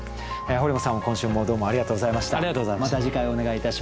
堀本さんも今週もどうもありがとうございました。